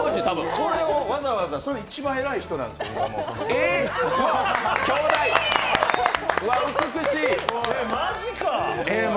それをわざわざ、一番偉い人なんです、しかも。